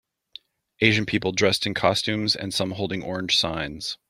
Asian people dressed in costumes and some holding orange signs.